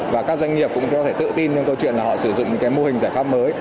và các doanh nghiệp cũng có thể tự tin trong câu chuyện là họ sử dụng một cái mô hình giải pháp mới